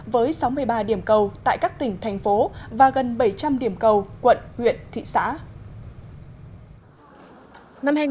với sáu mươi ba điểm cầu tại các tỉnh thành phố và gần bảy trăm linh điểm cầu quận huyện thị xã